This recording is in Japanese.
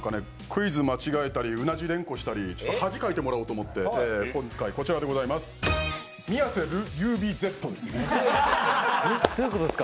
クイズを間違えたり、うなじを連呼したり、恥かいてもらおうと思って、今回こちらでございます。